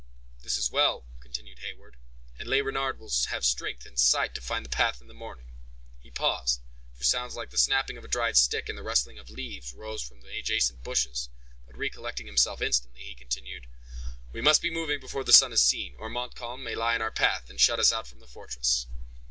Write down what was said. "This is well," continued Heyward; "and Le Renard will have strength and sight to find the path in the morning"; he paused, for sounds like the snapping of a dried stick, and the rustling of leaves, rose from the adjacent bushes, but recollecting himself instantly, he continued, "we must be moving before the sun is seen, or Montcalm may lie in our path, and shut us out from the fortress."